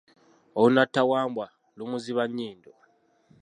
Olunatta wambwa, lumuziba nnyindo.